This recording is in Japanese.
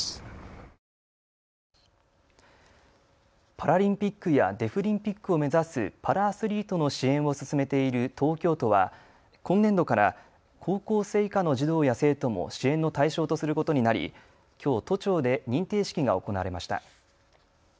パラリンピックやデフリンピックを目指すパラアスリートの支援を進めている東京都は今年度から高校生以下の児童や生徒も支援の対象とすることになり、きょう都庁で認定式が行われました。